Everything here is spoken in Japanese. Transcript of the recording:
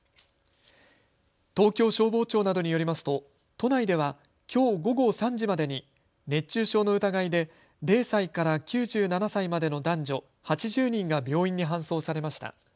東京消防庁などによりますと都内ではきょう午後３時までに熱中症の疑いで０歳から９７歳までの男女８０人が病院に搬送されました。